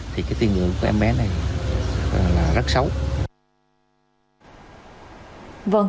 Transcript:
thì tiên lượng của em bé này rất xấu